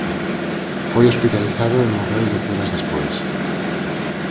Foi hospitalizado e morreu dez horas despois.